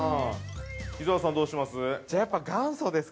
伊沢さん、どうします？